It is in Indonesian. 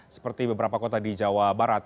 seperti beberapa kota di jawa barat